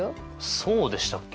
そうでしたっけ？